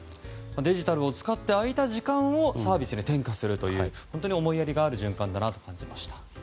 デジタルを使って空いた時間をサービスに転嫁する本当に思いやりのある循環だなと感じました。